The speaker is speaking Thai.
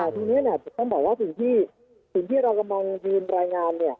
ทีนี้เนี่ยต้องบอกว่าสิ่งที่สิ่งที่เรากำลังยืนรายงานเนี่ย